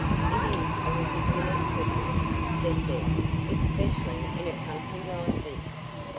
"It is a ridiculous prejudice," said Deb, "especially in a country like this."